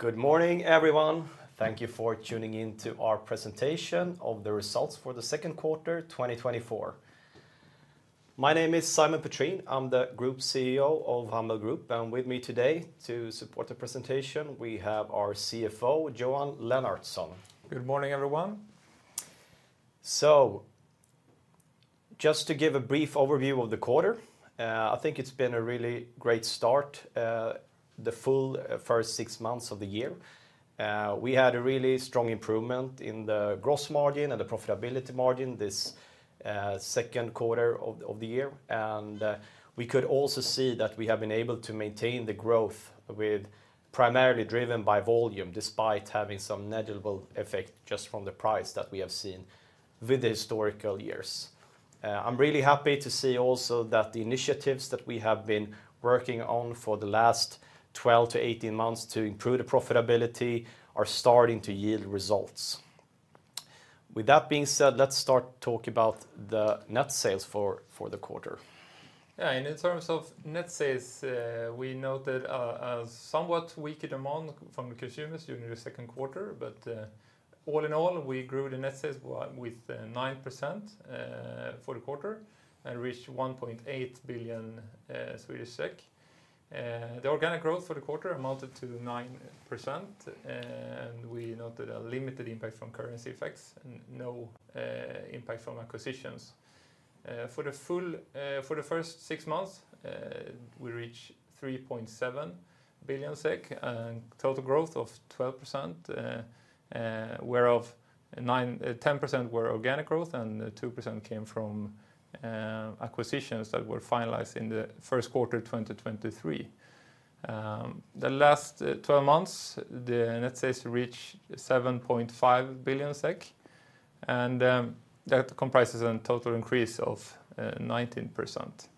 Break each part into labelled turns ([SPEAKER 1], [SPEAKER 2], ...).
[SPEAKER 1] Good morning, everyone. Thank you for tuning in to our presentation of the results for the second quarter, 2024. My name is Simon Petrén. I'm the Group CEO of Humble Group, and with me today to support the presentation, we have our CFO, Johan Lennartsson.
[SPEAKER 2] Good morning, everyone.
[SPEAKER 1] So just to give a brief overview of the quarter, I think it's been a really great start, the full first 6 months of the year. We had a really strong improvement in the gross margin and the profitability margin this second quarter of the year. And we could also see that we have been able to maintain the growth with primarily driven by volume, despite having some negligible effect just from the price that we have seen with the historical years. I'm really happy to see also that the initiatives that we have been working on for the last 12-18 months to improve the profitability are starting to yield results. With that being said, let's start talking about the net sales for the quarter.
[SPEAKER 2] Yeah, in terms of net sales, we noted a somewhat weaker demand from the consumers during the second quarter, but all in all, we grew the net sales with 9% for the quarter and reached 1.8 billion Swedish SEK. The organic growth for the quarter amounted to 9%, and we noted a limited impact from currency effects and no impact from acquisitions. For the first six months, we reached 3.7 billion SEK, and total growth of 12%, whereof 9%-10% were organic growth and 2% came from acquisitions that were finalized in the first quarter, 2023. The last twelve months, the net sales reached 7.5 billion SEK, and that comprises a total increase of 19%.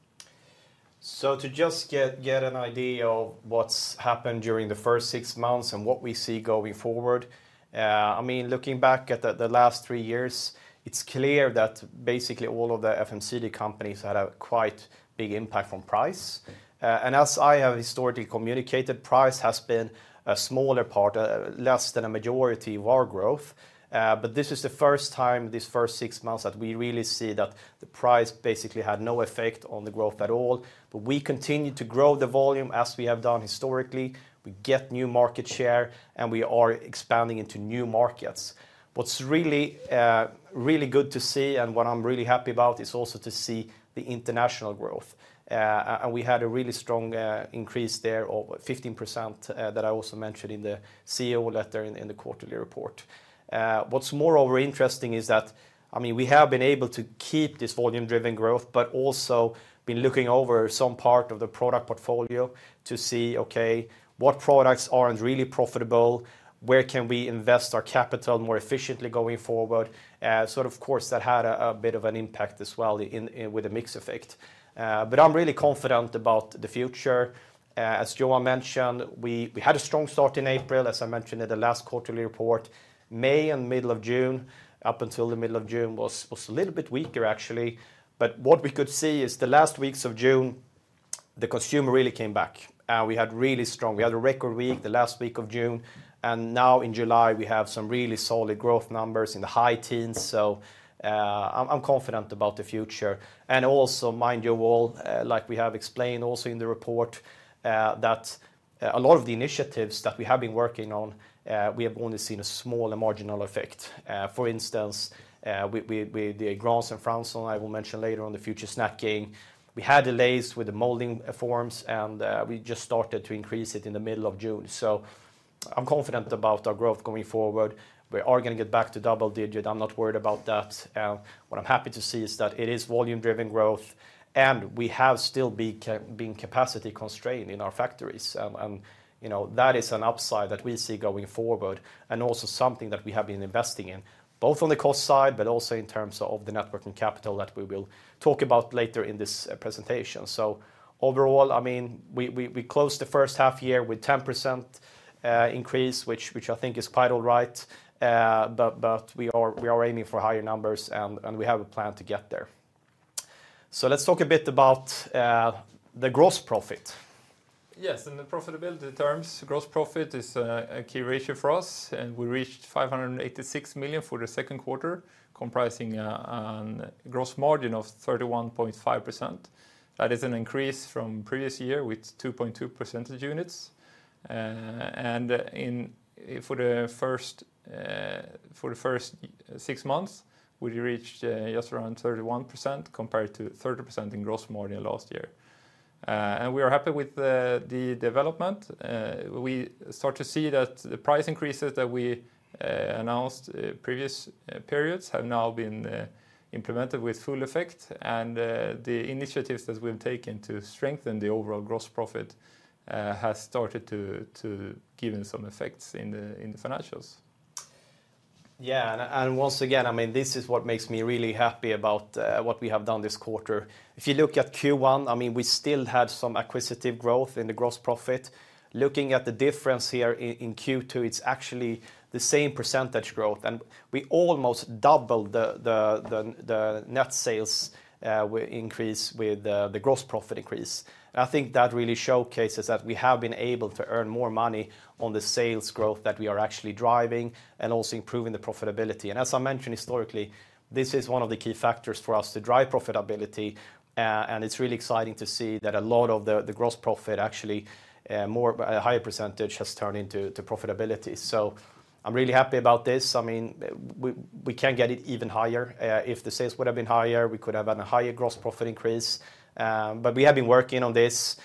[SPEAKER 1] So to just get an idea of what's happened during the first six months and what we see going forward, I mean, looking back at the last three years, it's clear that basically all of the FMCG companies had a quite big impact from price. And as I have historically communicated, price has been a smaller part, less than a majority of our growth. But this is the first time, this first six months, that we really see that the price basically had no effect on the growth at all. But we continue to grow the volume as we have done historically. We get new market share, and we are expanding into new markets. What's really, really good to see, and what I'm really happy about, is also to see the international growth. And we had a really strong increase there of 15%, that I also mentioned in the CEO letter in the quarterly report. What's moreover interesting is that, I mean, we have been able to keep this volume-driven growth, but also been looking over some part of the product portfolio to see, okay, what products aren't really profitable? Where can we invest our capital more efficiently going forward? So of course, that had a bit of an impact as well in with the mix effect. But I'm really confident about the future. As Johan mentioned, we had a strong start in April, as I mentioned in the last quarterly report. May and middle of June, up until the middle of June, was a little bit weaker, actually. But what we could see is the last weeks of June, the consumer really came back, and we had really strong. We had a record week, the last week of June, and now in July, we have some really solid growth numbers in the high teens. So, I'm confident about the future. And also, mind you all, like we have explained also in the report, that a lot of the initiatives that we have been working on, we have only seen a small and marginal effect. For instance, with the Grahns and Franssons, I will mention later on the Future Snacking. We had delays with the molding forms, and we just started to increase it in the middle of June. So I'm confident about our growth going forward. We are gonna get back to double digit. I'm not worried about that. What I'm happy to see is that it is volume-driven growth, and we have still been capacity constrained in our factories. You know, that is an upside that we see going forward and also something that we have been investing in, both on the cost side, but also in terms of the network and capital that we will talk about later in this presentation. So overall, I mean, we closed the first half year with 10% increase, which I think is quite all right. But we are aiming for higher numbers, and we have a plan to get there. So let's talk a bit about the gross profit.
[SPEAKER 2] Yes, in the profitability terms, gross profit is a key ratio for us, and we reached 586 million for the second quarter, comprising a gross margin of 31.5%. That is an increase from previous year with 2.2 percentage units. And in for the first six months, we reached just around 31% compared to 30% in gross margin last year. And we are happy with the development. We start to see that the price increases that we announced previous periods have now been implemented with full effect, and the initiatives that we've taken to strengthen the overall gross profit has started to give some effects in the financials.
[SPEAKER 1] Yeah, and once again, I mean, this is what makes me really happy about what we have done this quarter. If you look at Q1, I mean, we still had some acquisitive growth in the gross profit. Looking at the difference here in Q2, it's actually the same percentage growth, and we almost doubled the net sales with the gross profit increase. And I think that really showcases that we have been able to earn more money on the sales growth that we are actually driving and also improving the profitability. And as I mentioned, historically, this is one of the key factors for us to drive profitability. And it's really exciting to see that a lot of the gross profit actually, a higher percentage has turned into profitability. So I'm really happy about this. I mean, we can get it even higher. If the sales would have been higher, we could have had a higher gross profit increase. But we have been working on this.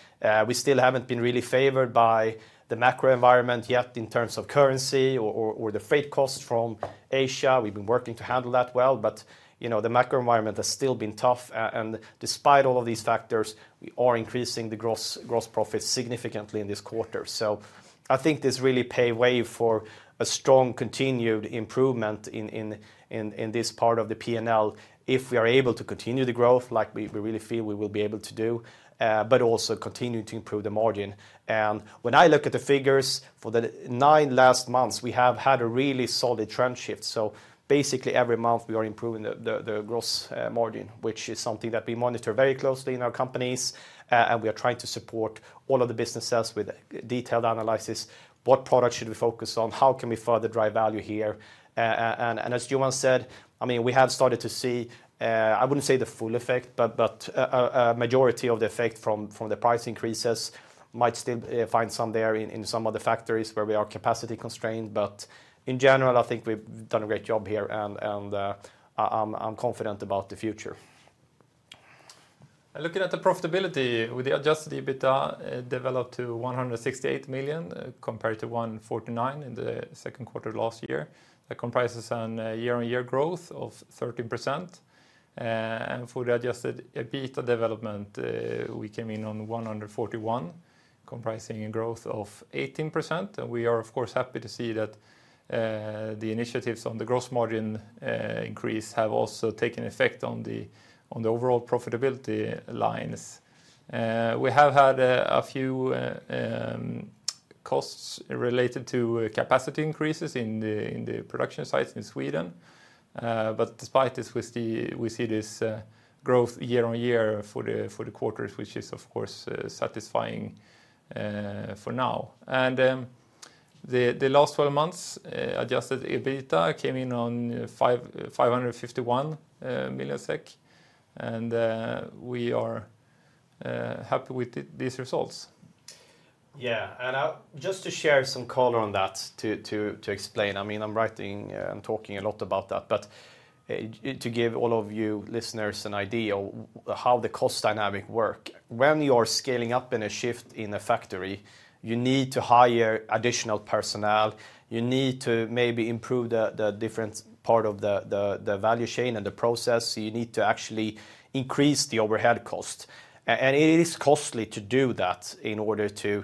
[SPEAKER 1] We still haven't been really favored by the macro environment yet in terms of currency or the freight costs from Asia. We've been working to handle that well, but you know, the macro environment has still been tough. And despite all of these factors, we are increasing the gross profit significantly in this quarter. So I think this really pave way for a strong continued improvement in this part of the P&L, if we are able to continue the growth, like we really feel we will be able to do, but also continue to improve the margin. When I look at the figures for the nine last months, we have had a really solid trend shift. So basically, every month we are improving the gross margin, which is something that we monitor very closely in our companies. And we are trying to support all of the business sales with detailed analysis. What products should we focus on? How can we further drive value here? And as Johan said, I mean, we have started to see, I wouldn't say the full effect, but a majority of the effect from the price increases might still find some there in some of the factories where we are capacity constrained. But in general, I think we've done a great job here, and I'm confident about the future.
[SPEAKER 2] Looking at the profitability with the adjusted EBITDA, developed to 168 million, compared to 149 million in the second quarter last year. That comprises on a year-on-year growth of 13%, and for the adjusted EBITDA development, we came in on 141 million, comprising a growth of 18%. We are, of course, happy to see that, the initiatives on the gross margin increase have also taken effect on the overall profitability lines. We have had a few costs related to capacity increases in the production sites in Sweden. But despite this, we see this growth year-on-year for the quarters, which is, of course, satisfying, for now. The last 12 months, adjusted EBITDA came in on 551 million SEK, and we are happy with these results.
[SPEAKER 1] Yeah, just to share some color on that, to explain, I mean, I'm writing, I'm talking a lot about that, but, to give all of you listeners an idea how the cost dynamic work. When you are scaling up in a shift in a factory, you need to hire additional personnel, you need to maybe improve the different part of the value chain and the process. You need to actually increase the overhead cost. And it is costly to do that in order to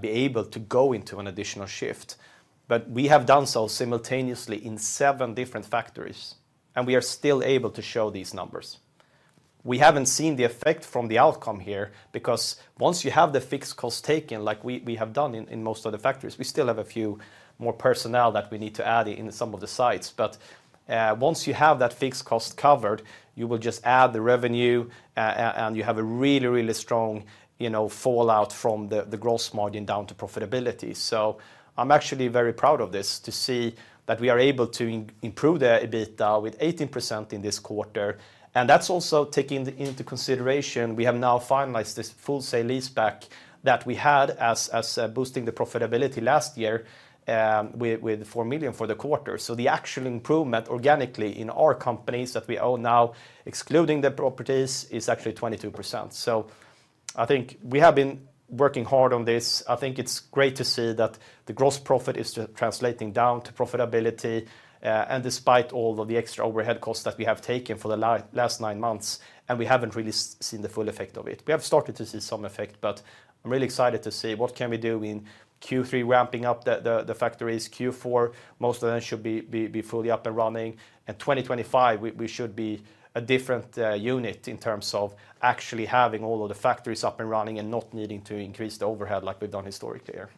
[SPEAKER 1] be able to go into an additional shift. But we have done so simultaneously in seven different factories, and we are still able to show these numbers. We haven't seen the effect from the outcome here, because once you have the fixed costs taken, like we have done in most of the factories, we still have a few more personnel that we need to add in some of the sites. But once you have that fixed cost covered, you will just add the revenue, and you have a really, really strong, you know, fallout from the gross margin down to profitability. So I'm actually very proud of this, to see that we are able to improve the EBITDA with 18% in this quarter. And that's also taking into consideration, we have now finalized this full sale leaseback that we had as boosting the profitability last year, with 4 million for the quarter. So the actual improvement organically in our companies that we own now, excluding the properties, is actually 22%. So I think we have been working hard on this. I think it's great to see that the gross profit is translating down to profitability, and despite all of the extra overhead costs that we have taken for the last nine months, and we haven't really seen the full effect of it. We have started to see some effect, but I'm really excited to see what can we do in Q3, ramping up the factories. Q4, most of them should be fully up and running. And 2025, we should be a different unit in terms of actually having all of the factories up and running and not needing to increase the overhead like we've done historically here.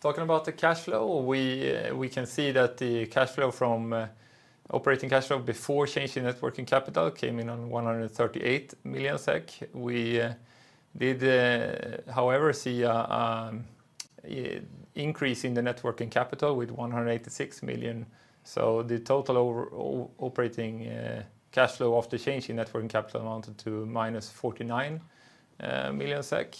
[SPEAKER 2] Talking about the cash flow, we, we can see that the cash flow from operating cash flow before changing net working capital came in on 138 million SEK. We did, however, see an increase in the net working capital with 186 million. So the total operating cash flow of the change in net working capital amounted to -49 million SEK.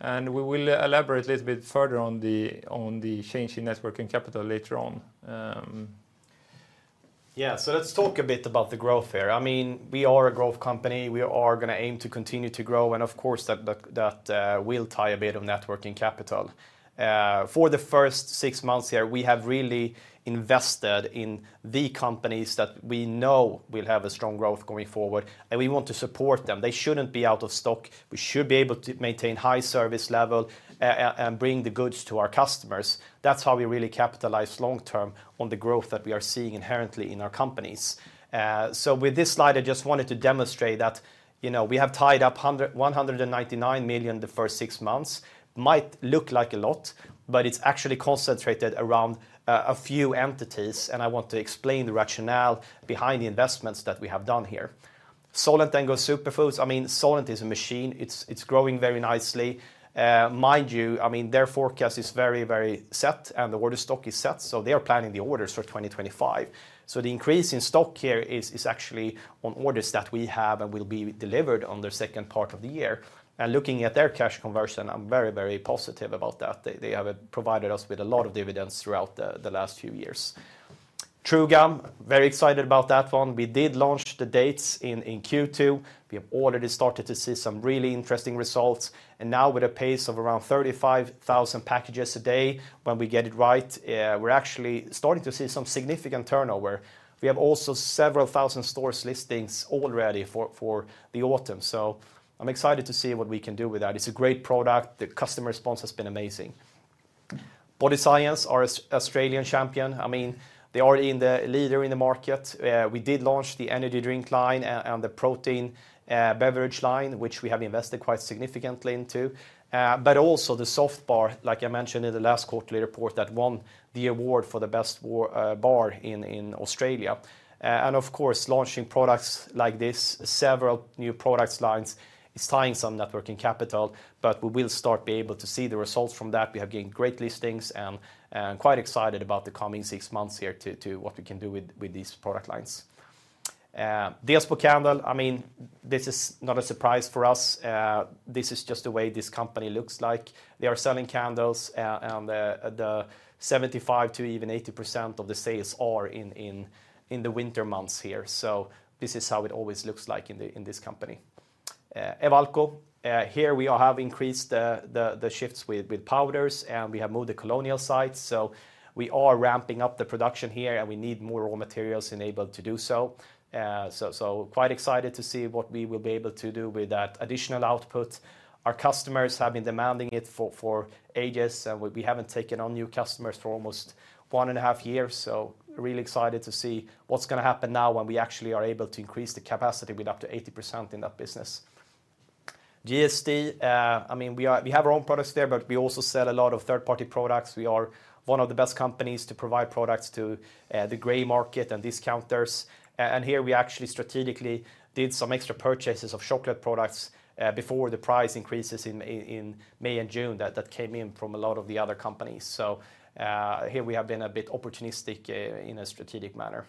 [SPEAKER 2] And we will elaborate a little bit further on the, on the change in net working capital later on.
[SPEAKER 1] Yeah, so let's talk a bit about the growth here. I mean, we are a growth company. We are gonna aim to continue to grow, and of course, that will tie a bit of net working capital. For the first six months here, we have really invested in the companies that we know will have a strong growth going forward, and we want to support them. They shouldn't be out of stock. We should be able to maintain high service level and bring the goods to our customers. That's how we really capitalize long term on the growth that we are seeing inherently in our companies. So with this slide, I just wanted to demonstrate that, you know, we have tied up 199 million the first six months. Might look like a lot, but it's actually concentrated around a few entities, and I want to explain the rationale behind the investments that we have done here. Solent and Go Superfoods, I mean, Solent is a machine. It's growing very nicely. Mind you, I mean, their forecast is very, very set, and the order stock is set, so they are planning the orders for 2025. So the increase in stock here is actually on orders that we have and will be delivered in the second part of the year. And looking at their cash conversion, I'm very, very positive about that. They have provided us with a lot of dividends throughout the last few years. True Gum, very excited about that one. We did launch the dates in Q2. We have already started to see some really interesting results, and now with a pace of around 35,000 packages a day, when we get it right, we're actually starting to see some significant turnover. We have also several thousand store listings already for the autumn. So I'm excited to see what we can do with that. It's a great product. The customer response has been amazing. Body Science, our Australian champion, I mean, they are the leader in the market. We did launch the energy drink line and the protein beverage line, which we have invested quite significantly into, but also the soft bar, like I mentioned in the last quarterly report, that won the award for the best bar in Australia. Of course, launching products like this, several new product lines, is tying some networking capital, but we will start be able to see the results from that. We have gained great listings and quite excited about the coming six months here to what we can do with these product lines. Delsbo Candle, I mean, this is not a surprise for us. This is just the way this company looks like. They are selling candles, and the 75%-80% of the sales are in the winter months here. So this is how it always looks like in this company. Ewalco, here we have increased the shifts with powders, and we have moved the colonial sites, so we are ramping up the production here, and we need more raw materials enabled to do so. Quite excited to see what we will be able to do with that additional output. Our customers have been demanding it for ages, and we haven't taken on new customers for almost 1.5 years, so really excited to see what's gonna happen now when we actually are able to increase the capacity with up to 80% in that business. GSD, I mean, we are. We have our own products there, but we also sell a lot of third-party products. We are one of the best companies to provide products to the gray market and discounters. Here we actually strategically did some extra purchases of chocolate products, before the price increases in May and June, that came in from a lot of the other companies. So, here we have been a bit opportunistic, in a strategic manner.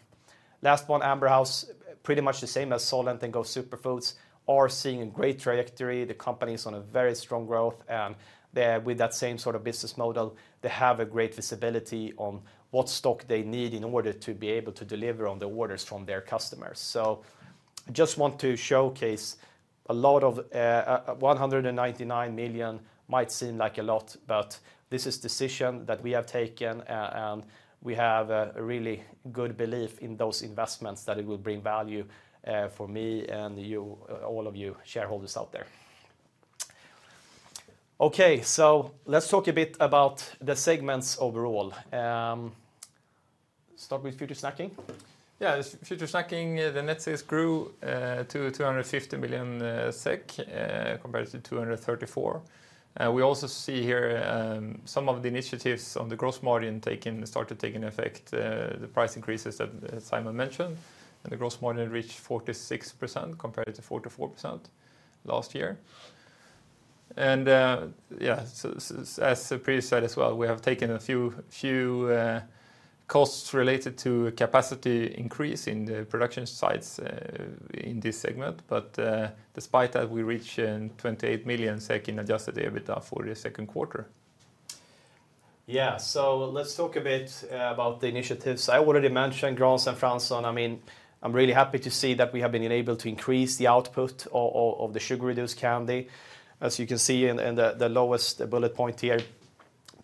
[SPEAKER 1] Last one, Amber House, pretty much the same as Solent and Go Superfoods, are seeing a great trajectory. The company is on a very strong growth, and they're with that same sort of business model, they have a great visibility on what stock they need in order to be able to deliver on the orders from their customers. Just want to showcase a lot of 199 million might seem like a lot, but this is decision that we have taken, and we have a, a really good belief in those investments, that it will bring value, for me and you, all of you shareholders out there. Okay, so let's talk a bit about the segments overall. Start with Future Snacking.
[SPEAKER 2] Yeah, Future Snacking, the net sales grew to 250 million SEK compared to 234 million. We also see here some of the initiatives on the gross margin started taking effect, the price increases that Simon mentioned, and the gross margin reached 46% compared to 44% last year. Yeah, so as previously said as well, we have taken a few costs related to capacity increase in the production sites in this segment, but despite that, we reached 28 million in adjusted EBITDA for the second quarter.
[SPEAKER 1] Yeah, so let's talk a bit about the initiatives. I already mentioned Grahns and Franssons. I mean, I'm really happy to see that we have been enabled to increase the output of the sugar-reduced candy. As you can see in the lowest bullet point here,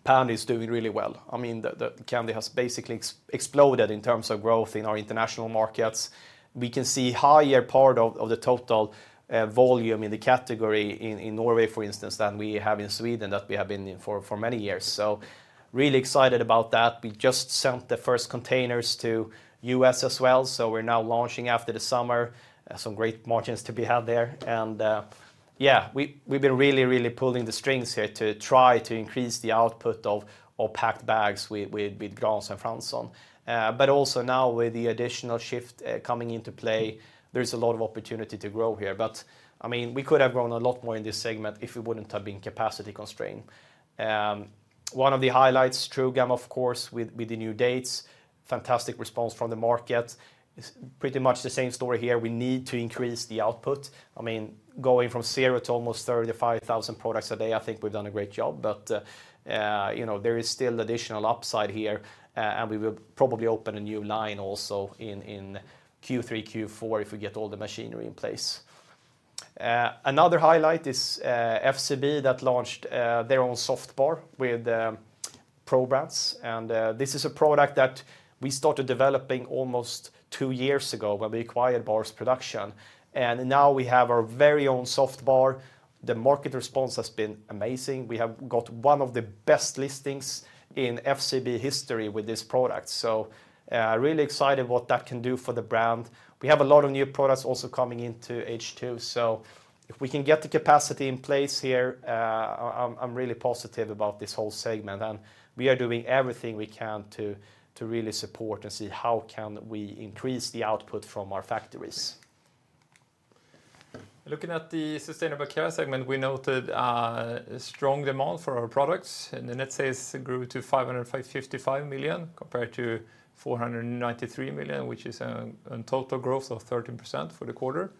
[SPEAKER 1] Pändy is doing really well. I mean, the candy has basically exploded in terms of growth in our international markets. We can see higher part of the total volume in the category in Norway, for instance, than we have in Sweden, that we have been in for many years. So really excited about that. We just sent the first containers to U.S. as well, so we're now launching after the summer. Some great margins to be had there. Yeah, we've been really, really pulling the strings here to try to increase the output of packed bags with Grahns and Franssons. But also now with the additional shift coming into play, there's a lot of opportunity to grow here, but I mean, we could have grown a lot more in this segment if we wouldn't have been capacity constrained. One of the highlights, True Gum, of course, with the new dates, fantastic response from the market. It's pretty much the same story here. We need to increase the output. I mean, going from zero to almost 35,000 products a day, I think we've done a great job, but you know, there is still additional upside here, and we will probably open a new line also in Q3, Q4, if we get all the machinery in place. Another highlight is, FCB that launched their own soft bar with Pro! Brands. And this is a product that we started developing almost two years ago when we acquired Bars Production, and now we have our very own soft bar. The market response has been amazing. We have got one of the best listings in FCB history with this product, so really excited what that can do for the brand. We have a lot of new products also coming into H2. So if we can get the capacity in place here, I'm really positive about this whole segment, and we are doing everything we can to really support and see how can we increase the output from our factories.
[SPEAKER 2] Looking at the Sustainable Care segment, we noted a strong demand for our products, and the net sales grew to 555 million, compared to 493 million, which is a total growth of 13% for the quarter.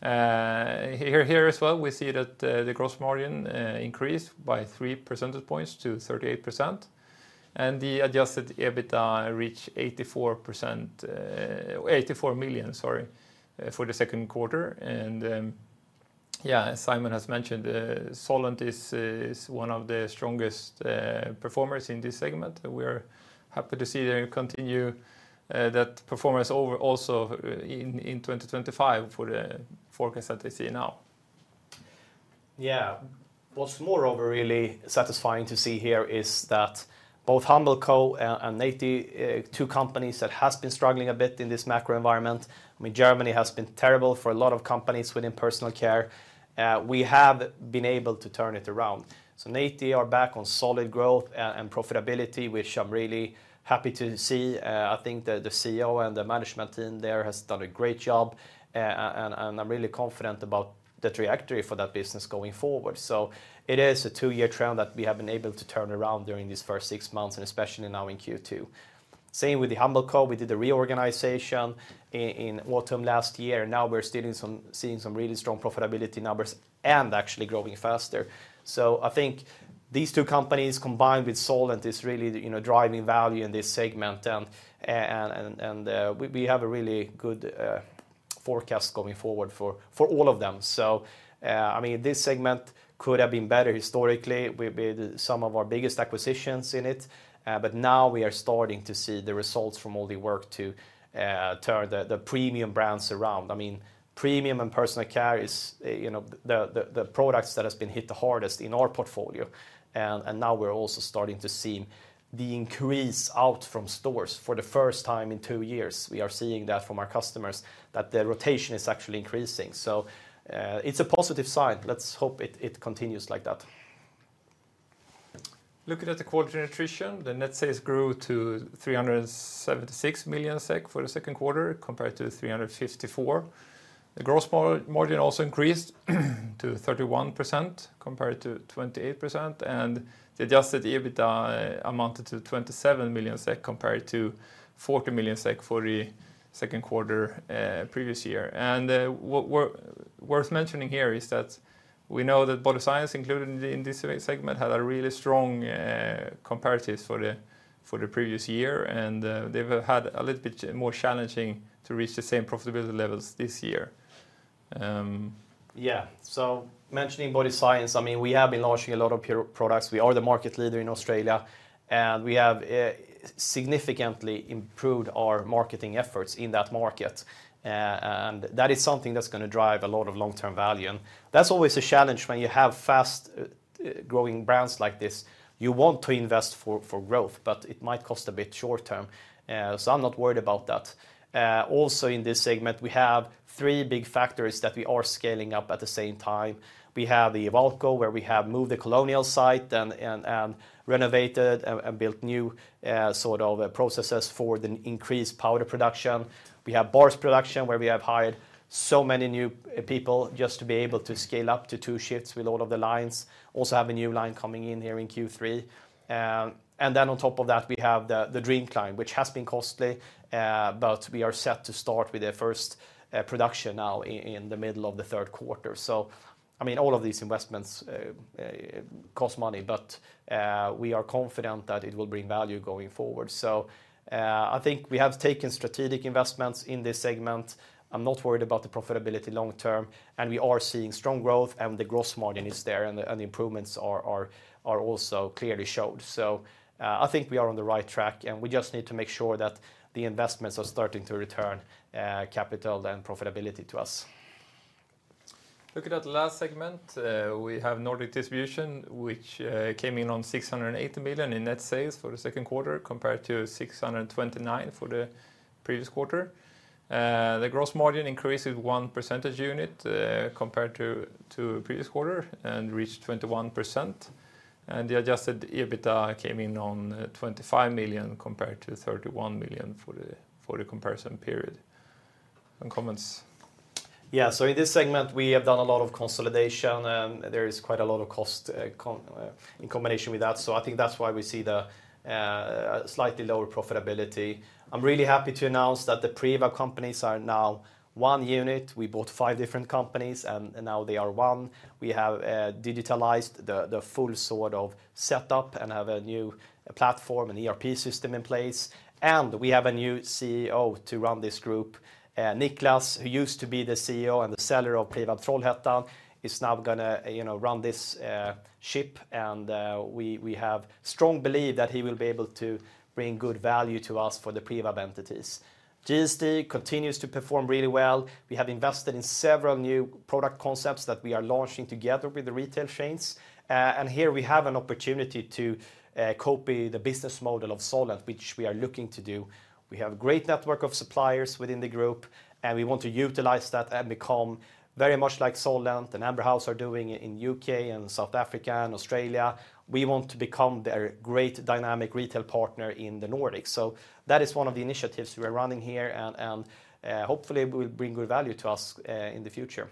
[SPEAKER 2] Here as well, we see that the gross margin increased by 3 percentage points to 38%, and the adjusted EBITDA reached 84%, 84 million, sorry, for the second quarter. As Simon has mentioned, Solent is one of the strongest performers in this segment. We're happy to see them continue that performance over also in 2025 for the forecast that they see now.
[SPEAKER 1] Yeah. What's moreover really satisfying to see here is that both Humble Co. and Naty, two companies that has been struggling a bit in this macro environment, I mean, Germany has been terrible for a lot of companies within personal care. We have been able to turn it around. So Naty are back on solid growth and profitability, which I'm really happy to see. I think the CEO and the management team there has done a great job, and I'm really confident about the trajectory for that business going forward. So it is a two-year trend that we have been able to turn around during these first six months, and especially now in Q2. Same with the Humble Co. We did the reorganization in autumn last year, and now we're seeing some really strong profitability numbers and actually growing faster. So I think these two companies, combined with Solent, is really, you know, driving value in this segment, and we have a really good forecast going forward for all of them. So, I mean, this segment could have been better historically with some of our biggest acquisitions in it, but now we are starting to see the results from all the work to turn the premium brands around. I mean, premium and personal care is, you know, the products that has been hit the hardest in our portfolio, and now we're also starting to see the increase out from stores for the first time in two years. We are seeing that from our customers, that the rotation is actually increasing. So, it's a positive sign. Let's hope it continues like that.
[SPEAKER 2] Looking at the Quality Nutrition, the net sales grew to 376 million SEK for the second quarter, compared to 354 million. The gross margin also increased to 31%, compared to 28%, and the Adjusted EBITDA amounted to 27 million SEK, compared to 14 million SEK for the second quarter previous year. What we're worth mentioning here is that we know that Body Science, included in this segment, had a really strong comparatives for the previous year, and they've had a little bit more challenging to reach the same profitability levels this year.
[SPEAKER 1] Yeah. So mentioning Body Science, I mean, we have been launching a lot of pure products. We are the market leader in Australia, and we have significantly improved our marketing efforts in that market. And that is something that's gonna drive a lot of long-term value, and that's always a challenge when you have fast-growing brands like this. You want to invest for growth, but it might cost a bit short term, so I'm not worried about that. Also in this segment, we have three big factors that we are scaling up at the same time. We have the Ewalco, where we have moved the colonial site and renovated and built new sort of processes for the increased powder production. We have Bars Production, where we have hired so many new people just to be able to scale up to two shifts with all of the lines. Also have a new line coming in here in Q3. On top of that, we have the Dream line, which has been costly, but we are set to start with the first production now in the middle of the third quarter. So I mean, all of these investments cost money, but we are confident that it will bring value going forward. So I think we have taken strategic investments in this segment. I'm not worried about the profitability long term, and we are seeing strong growth, and the gross margin is there, and the improvements are also clearly showed. I think we are on the right track, and we just need to make sure that the investments are starting to return capital and profitability to us.
[SPEAKER 2] Looking at the last segment, we have Nordic Distribution, which came in on 680 million in net sales for the second quarter, compared to 629 million for the previous quarter. The gross margin increased with 1 percentage unit, compared to, to the previous quarter, and reached 21%, and the adjusted EBITDA came in on 25 million, compared to 31 million for the, for the comparison period. End comments?
[SPEAKER 1] Yeah, so in this segment, we have done a lot of consolidation, and there is quite a lot of cost in combination with that. So I think that's why we see the slightly lower profitability. I'm really happy to announce that the Privab companies are now one unit. We bought five different companies, and now they are one. We have digitalized the full sort of setup and have a new platform and ERP system in place, and we have a new CEO to run this group. Niklas, who used to be the CEO and the seller of Privab Trollhättan, is now gonna, you know, run this ship, and we have strong belief that he will be able to bring good value to us for the Privab entities. GSD continues to perform really well. We have invested in several new product concepts that we are launching together with the retail chains. And here we have an opportunity to copy the business model of Solent, which we are looking to do. We have great network of suppliers within the group, and we want to utilize that and become very much like Solent and Amber House are doing in U.K., and South Africa, and Australia. We want to become the great dynamic retail partner in the Nordics. So that is one of the initiatives we are running here, and hopefully it will bring good value to us in the future.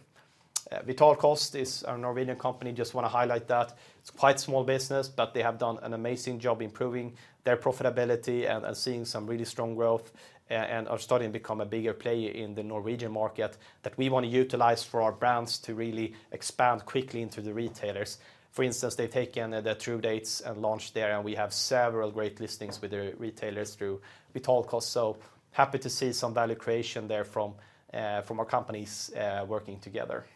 [SPEAKER 1] Vitalkost is our Norwegian company, just wanna highlight that. It's quite small business, but they have done an amazing job improving their profitability and seeing some really strong growth, and are starting to become a bigger player in the Norwegian market, that we wanna utilize for our brands to really expand quickly into the retailers. For instance, they've taken the True Dates and launched there, and we have several great listings with the retailers through Vitalkost, so happy to see some value creation there from our companies working together.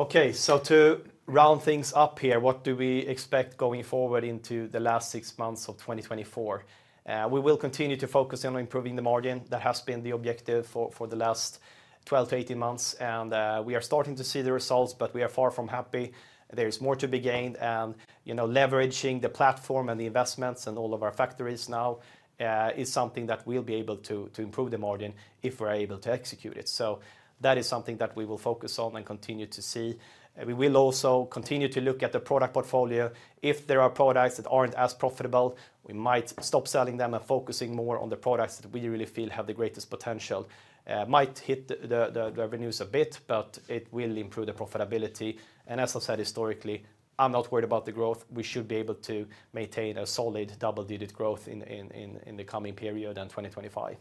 [SPEAKER 1] Okay, so to round things up here, what do we expect going forward into the last six months of 2024? We will continue to focus on improving the margin. That has been the objective for the last 12-18 months, and we are starting to see the results, but we are far from happy. There is more to be gained and, you know, leveraging the platform and the investments and all of our factories now is something that we'll be able to improve the margin if we're able to execute it. So that is something that we will focus on and continue to see. We will also continue to look at the product portfolio. If there are products that aren't as profitable, we might stop selling them and focusing more on the products that we really feel have the greatest potential. Might hit the revenues a bit, but it will improve the profitability. And as I've said, historically, I'm not worried about the growth. We should be able to maintain a solid double-digit growth in the coming period in 2025.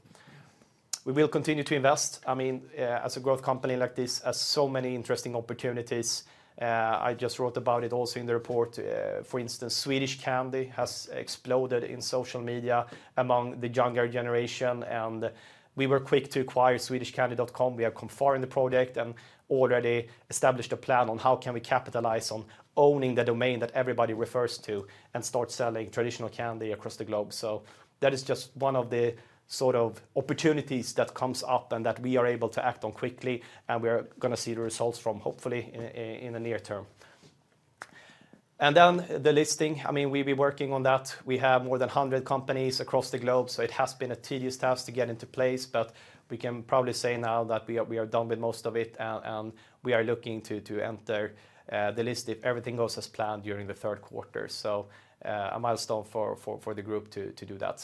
[SPEAKER 1] We will continue to invest. I mean, as a growth company like this, there's so many interesting opportunities. I just wrote about it also in the report. For instance, Swedish Candy has exploded in social media among the younger generation, and we were quick to acquire swedishcandy.com. We have confirmed the project and already established a plan on how can we capitalize on owning the domain that everybody refers to, and start selling traditional candy across the globe. So that is just one of the sort of opportunities that comes up and that we are able to act on quickly, and we are gonna see the results from, hopefully, in the near term. And then the listing, I mean, we've been working on that. We have more than 100 companies across the globe, so it has been a tedious task to get into place, but we can probably say now that we are done with most of it, and we are looking to enter the list if everything goes as planned during the third quarter. So, a milestone for the group to do that.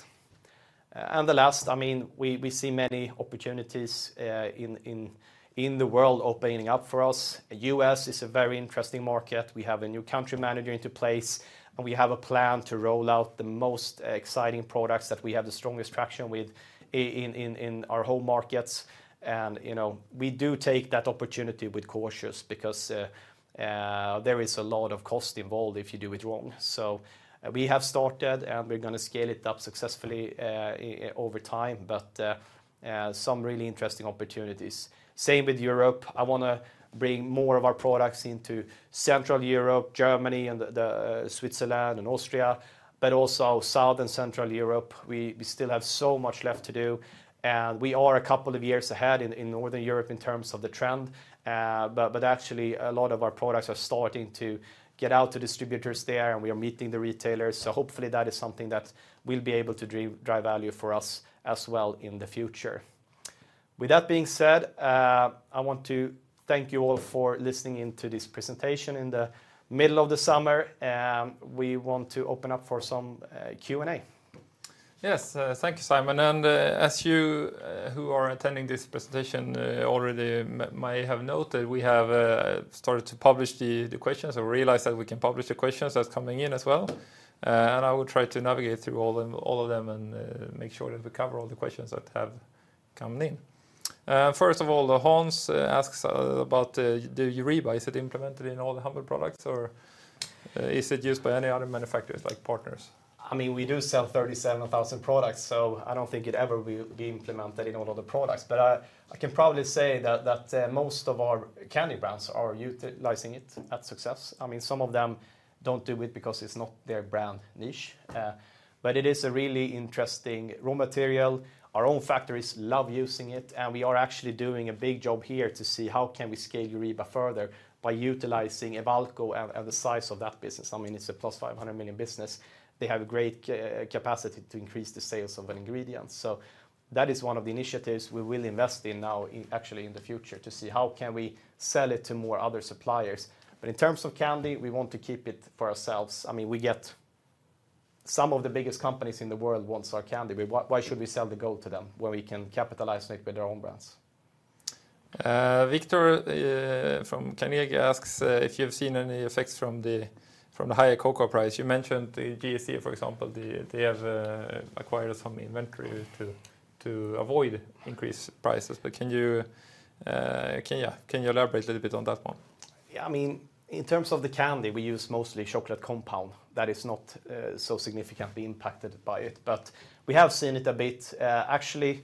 [SPEAKER 1] And the last, I mean, we see many opportunities in the world opening up for us. The U.S. is a very interesting market. We have a new country manager into place, and we have a plan to roll out the most exciting products that we have the strongest traction with in our home markets. You know, we do take that opportunity with caution because there is a lot of cost involved if you do it wrong. We have started, and we're gonna scale it up successfully over time, but some really interesting opportunities. Same with Europe. I wanna bring more of our products into Central Europe, Germany, and Switzerland, and Austria, but also South and Central Europe. We still have so much left to do, and we are a couple of years ahead in Northern Europe in terms of the trend. But actually a lot of our products are starting to get out to distributors there, and we are meeting the retailers, so hopefully that is something that will be able to drive value for us as well in the future. With that being said, I want to thank you all for listening in to this presentation in the middle of the summer, and we want to open up for some Q&A.
[SPEAKER 2] Yes, thank you, Simon, and, as you who are attending this presentation already might have noted, we have started to publish the questions or realize that we can publish the questions that's coming in as well. And I will try to navigate through all them, all of them, and make sure that we cover all the questions that have come in. First of all, Hans asks about the EUREBA, is it implemented in all the 100 products, or is it used by any other manufacturers like partners?
[SPEAKER 1] I mean, we do sell 37,000 products, so I don't think it'd ever be implemented in all of the products. But I can probably say that most of our candy brands are utilizing it at success. I mean, some of them don't do it because it's not their brand niche, but it is a really interesting raw material. Our own factories love using it, and we are actually doing a big job here to see how can we scale EUREBA further by utilizing Ewalco and the size of that business. I mean, it's a plus 500 million business. They have a great capacity to increase the sales of an ingredient. So that is one of the initiatives we will invest in now, actually in the future, to see how can we sell it to more other suppliers. But in terms of candy, we want to keep it for ourselves. I mean, we get some of the biggest companies in the world want our candy. Why, why should we sell the gold to them when we can capitalize it with our own brands?
[SPEAKER 2] Viktor from Carnegie asks if you've seen any effects from the higher cocoa price? You mentioned the Grahns, for example, they have acquired some inventory to avoid increased prices, but can you elaborate a little bit on that one?
[SPEAKER 1] Yeah, I mean, in terms of the candy, we use mostly chocolate compound, that is not so significantly impacted by it. But we have seen it a bit, actually,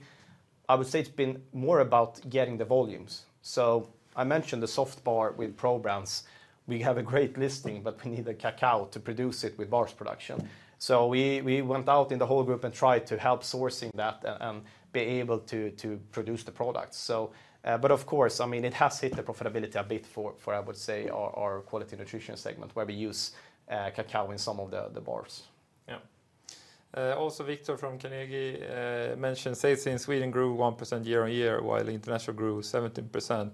[SPEAKER 1] I would say it's been more about getting the volumes. So I mentioned the Soft Bar with Pro! Brands. We have a great listing, but we need the cacao to produce it with Bars Production. So we went out in the whole group and tried to help sourcing that and be able to produce the product. So, but of course, I mean, it has hit the profitability a bit for I would say, our Quality Nutrition segment, where we use cacao in some of the bars.
[SPEAKER 2] Yeah. Also, Viktor from Carnegie mentioned sales in Sweden grew 1% year-over-year, while international grew 17%.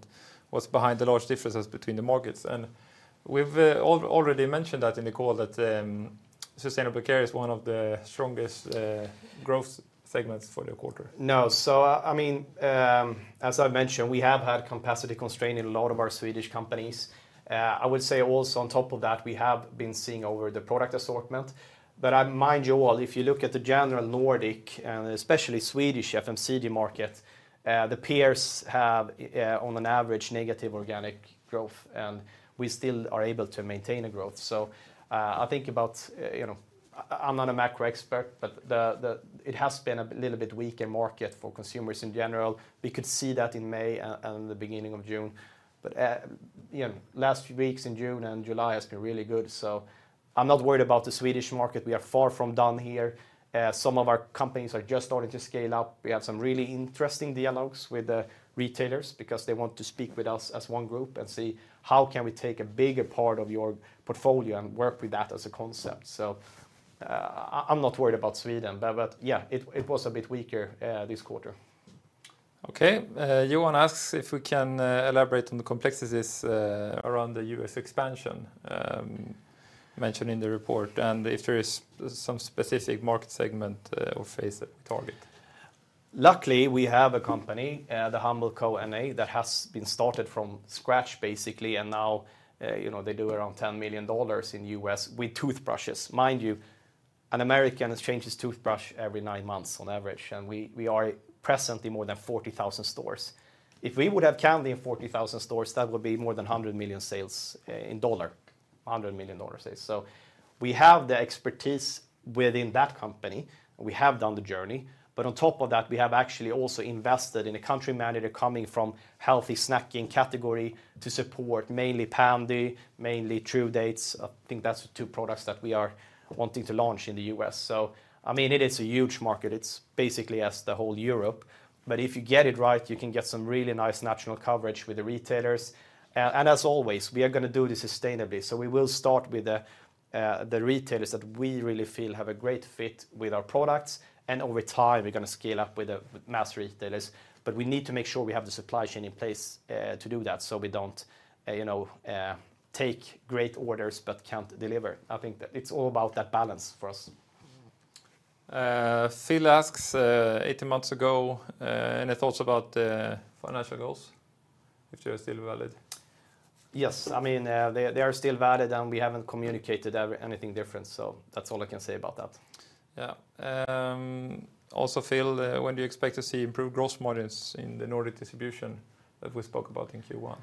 [SPEAKER 2] What's behind the large differences between the markets? And we've already mentioned that in the call, that sustainable care is one of the strongest growth segments for the quarter.
[SPEAKER 1] No, so, I, I mean, as I've mentioned, we have had capacity constraint in a lot of our Swedish companies. I would say also on top of that, we have been seeing over the product assortment. But mind you all, if you look at the general Nordic, and especially Swedish FMCG market, the peers have, on an average, negative organic growth, and we still are able to maintain a growth. So, I think about, I'm not a macro expert, but it has been a little bit weaker market for consumers in general. We could see that in May and the beginning of June. But, you know, last few weeks in June and July has been really good, so I'm not worried about the Swedish market. We are far from done here. Some of our companies are just starting to scale up. We have some really interesting dialogues with the retailers, because they want to speak with us as one group and see, how can we take a bigger part of your portfolio and work with that as a concept? So, I'm not worried about Sweden, but yeah, it was a bit weaker this quarter.
[SPEAKER 2] Okay. Johan asks if we can elaborate on the complexities around the U.S. expansion mentioned in the report, and if there is some specific market segment or phase or target.
[SPEAKER 1] Luckily, we have a company, The Humble Co. NA, that has been started from scratch, basically, and now, you know, they do around $10 million with toothbrushes. Mind you, an American changes toothbrush every nine months on average, and we are presently in more than 40,000 stores. If we would have candy in 40,000 stores, that would be more than $100 million sales in dollars, $100 million sales. So we have the expertise within that company, we have done the journey, but on top of that, we have actually also invested in a country manager coming from healthy snacking category to support mainly Pändy, mainly True Dates. I think that's the two products that we are wanting to launch in the U.S. So, I mean, it is a huge market. It's basically as the whole Europe. But if you get it right, you can get some really nice national coverage with the retailers. And as always, we are gonna do this sustainably, so we will start with the, the retailers that we really feel have a great fit with our products, and over time, we're gonna scale up with the mass retailers. But we need to make sure we have the supply chain in place to do that, so we don't, you know, take great orders but can't deliver. I think that it's all about that balance for us.
[SPEAKER 2] Phil asks, 18 months ago, any thoughts about financial goals, if they are still valid?
[SPEAKER 1] Yes. I mean, they are still valid, and we haven't communicated anything different, so that's all I can say about that.
[SPEAKER 2] Yeah. Also, Phil, when do you expect to see improved gross margins in the Nordic distribution that we spoke about in Q1?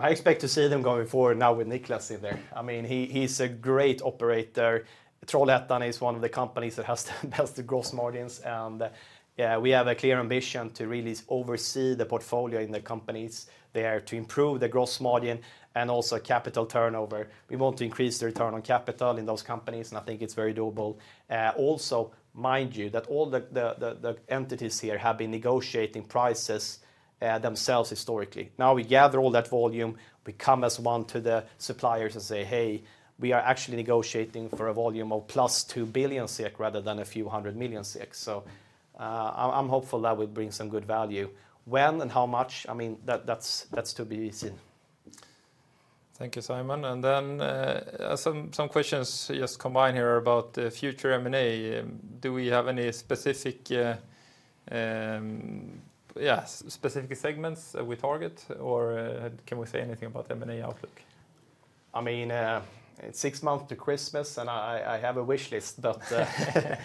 [SPEAKER 1] I expect to see them going forward now with Niklas in there. I mean, he, he's a great operator. Trollhättan is one of the companies that has the best gross margins. And, yeah, we have a clear ambition to really oversee the portfolio in the companies there, to improve the gross margin and also capital turnover. We want to increase the return on capital in those companies, and I think it's very doable. Also, mind you, that all the entities here have been negotiating prices themselves historically. Now, we gather all that volume, we come as one to the suppliers and say, "Hey, we are actually negotiating for a volume of +2 billion SEK, rather than a few hundred million SEK." So, I'm hopeful that will bring some good value. When and how much? I mean, that's to be seen.
[SPEAKER 2] Thank you, Simon. And then, some questions just combined here about the future M&A. Do we have any specific segments we target, or can we say anything about M&A outlook?
[SPEAKER 1] I mean, it's six months to Christmas, and I have a wish list. There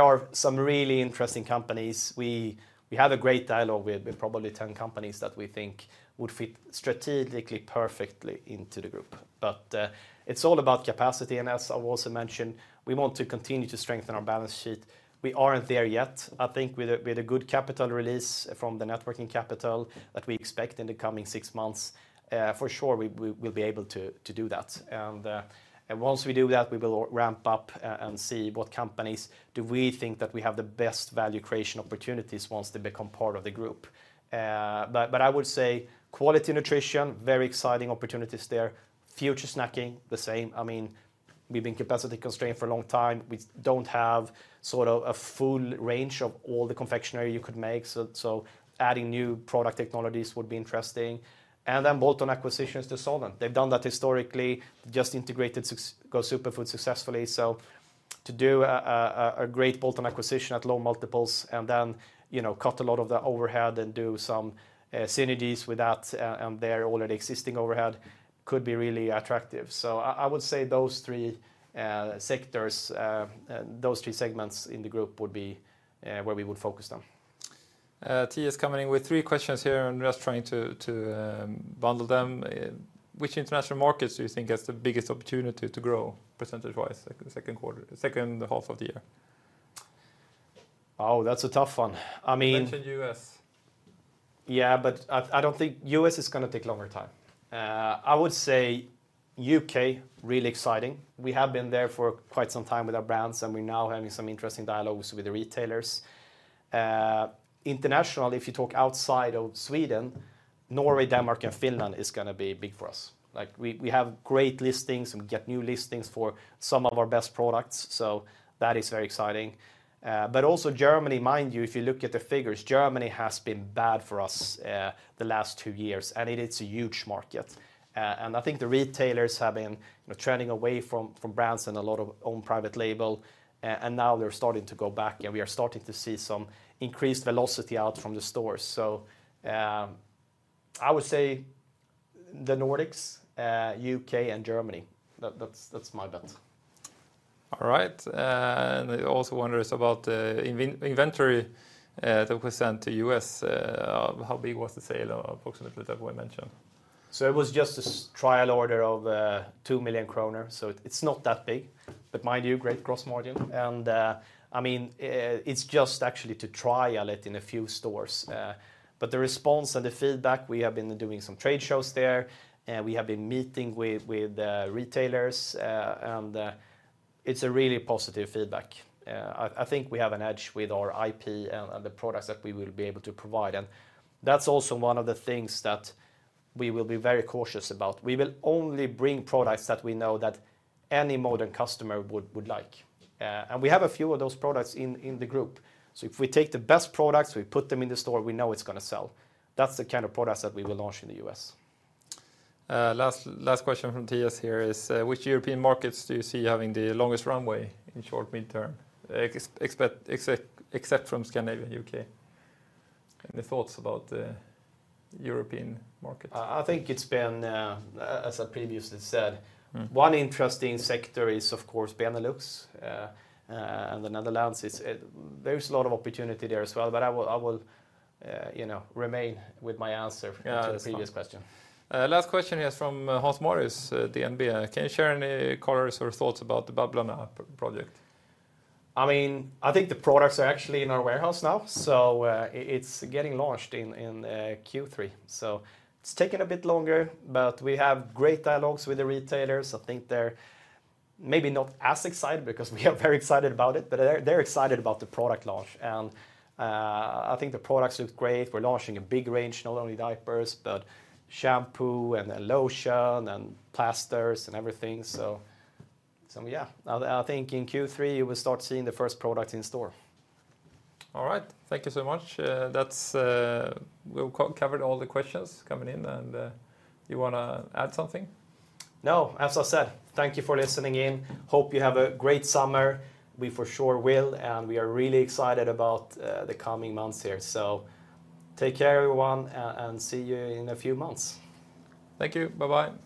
[SPEAKER 1] are some really interesting companies. We have a great dialogue with probably 10 companies that we think would fit strategically, perfectly into the group. But, it's all about capacity, and as I've also mentioned, we want to continue to strengthen our balance sheet. We aren't there yet. I think with a good capital release from the net working capital that we expect in the coming six months, for sure, we will be able to do that. And once we do that, we will ramp up and see what companies do we think that we have the best value creation opportunities once they become part of the group. But I would say quality nutrition, very exciting opportunities there. Future snacking, the same. I mean, we've been capacity-constrained for a long time. We don't have sort of a full range of all the confectionery you could make, so adding new product technologies would be interesting. And then bolt-on acquisitions to Solent. They've done that historically, just integrated such as Go Superfoods successfully. So to do a great bolt-on acquisition at low multiples and then, you know, cut a lot of the overhead and do some synergies with that and their already existing overhead could be really attractive. So I would say those three sectors, those three segments in the group would be where we would focus on.
[SPEAKER 2] Tia is coming in with three questions here, and I'm just trying to bundle them. Which international markets do you think has the biggest opportunity to grow percentage-wise, like in the second quarter, the second half of the year?
[SPEAKER 1] Oh, that's a tough one.
[SPEAKER 2] You mentioned U.S.
[SPEAKER 1] Yeah, but I don't think U.S. is gonna take longer time. I would say U.K., really exciting. We have been there for quite some time with our brands, and we're now having some interesting dialogues with the retailers. Internationally, if you talk outside of Sweden, Norway, Denmark, and Finland is gonna be big for us. We have great listings and get new listings for some of our best products, so that is very exciting. Also Germany, mind you, if you look at the figures, Germany has been bad for us, the last two years, and it is a huge market. I think the retailers have been trending away from brands and a lot of own private label, and now they're starting to go back, and we are starting to see some increased velocity out from the stores. I would say the Nordics, U.K., and Germany. That's my bet.
[SPEAKER 2] All right. He also wonders about inventory that was sent to U.S. How big was the sale approximately that we mentioned?
[SPEAKER 1] So it was just a trial order of 2 million kronor, so it's not that big. But mind you, great gross margin, and I mean, it's just actually to trial it in a few stores. But the response and the feedback, we have been doing some trade shows there, we have been meeting with retailers, and it's a really positive feedback. I think we have an edge with our IP and the products that we will be able to provide, and that's also one of the things that we will be very cautious about. We will only bring products that we know that any modern customer would like. And we have a few of those products in the group. If we take the best products, we put them in the store, we know it's gonna sell. That's the kind of products that we will launch in the U.S.
[SPEAKER 2] Last question from Tia here is, which European markets do you see having the longest runway in short, midterm, except from Scandinavia and U.K.? Any thoughts about the European market?
[SPEAKER 1] I think it's been, as I previously said one interesting sector is, of course, Benelux. The Netherlands is, there's a lot of opportunity there as well, but I will, you know, remain with my answer to the previous question.
[SPEAKER 2] Last question here is from Hans-Marius, DNB. Can you share any colors or thoughts about the Babblarna project?
[SPEAKER 1] I mean, I think the products are actually in our warehouse now, so it's getting launched in Q3. So it's taken a bit longer, but we have great dialogues with the retailers. I think they're maybe not as excited because we are very excited about it, but they're excited about the product launch. And I think the products look great. We're launching a big range, not only diapers, but shampoo, and lotion, and plasters, and everything. So yeah. I think in Q3, you will start seeing the first product in store.
[SPEAKER 2] All right. Thank you so much. We've covered all the questions coming in, and you wanna add something?
[SPEAKER 1] No. As I said, thank you for listening in. Hope you have a great summer. We for sure will, and we are really excited about the coming months here. So take care, everyone, and see you in a few months.
[SPEAKER 2] Thank you. Bye-bye.